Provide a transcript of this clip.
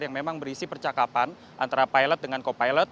yang memang berisi percakapan antara pilot dengan co pilot